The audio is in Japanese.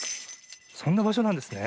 そんな場所なんですね。